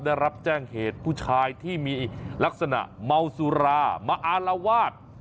ได้รับแจ้งเหตุผู้ชายที่มีลักษณะเมาสุรามาอารวาส